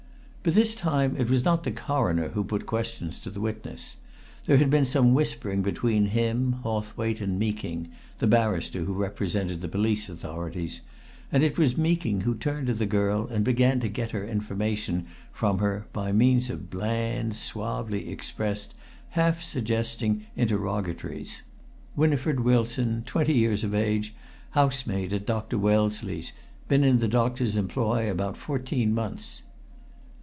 But this time it was not the Coroner who put questions to the witness. There had been some whispering between him, Hawthwaite and Meeking, the barrister who represented the police authorities, and it was Meeking who turned to the girl and began to get her information from her by means of bland, suavely expressed, half suggesting interrogatories. Winifred Wilson; twenty years of age; housemaid at Dr. Wellesley's been in the doctor's employ about fourteen months.